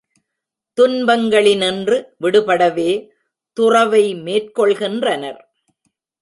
துன்பங்களினின்று விடுபடவே துறவை மேற் கொள்கின்றனர்.